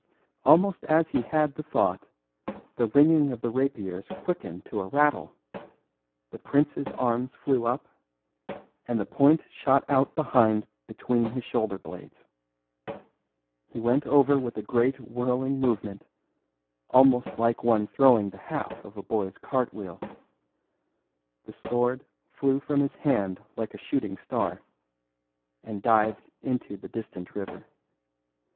Almost as he had the thought the ringing of the rapiers quickened to a rattle, the prince's arms flew up, and the point shot out behind between his shoulder blades. He went over with a great whirling movement, almost like one throwing the half of a boy's cart wheel. The sword flew from his hand like a shooting star, and dived into the distant river.